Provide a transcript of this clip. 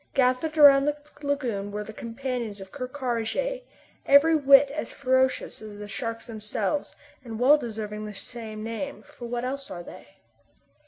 Gathered around the lagoon were the companions of Ker Karraje, every whit as ferocious as the sharks themselves, and well deserving the same name, for what else are they?